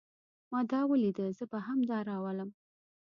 ما دا وليده. زه به دا راولم.